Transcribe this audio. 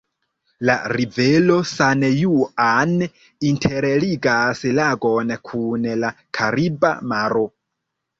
La rivero San-Juan interligas lagon kun la Kariba Maro.